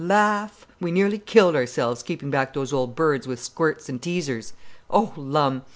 Laugh! We nearly killed ourselves, keeping back those old birds with squirts and teasers. Oh, Lum!